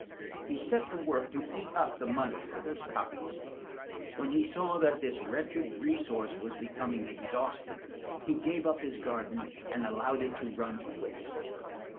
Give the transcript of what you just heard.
He set to work to eat up the money for these copies. When he saw that this wretched resource was becoming exhausted, he gave up his garden and allowed it to run to waste.